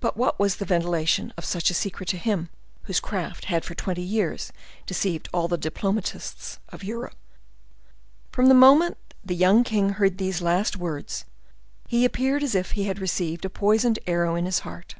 But what was the ventilation of such a secret to him whose craft had for twenty years deceived all the diplomatists of Europe? From the moment the young king heard these last words, he appeared as if he had received a poisoned arrow in his heart.